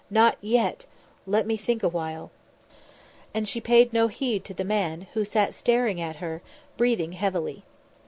"Not yet! Let me think awhile." And she paid no heed to the man, who sat staring at her, breathing heavily.